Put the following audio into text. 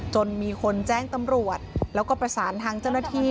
จนมีคนแจ้งตำรวจแล้วก็ประสานทางเจ้าหน้าที่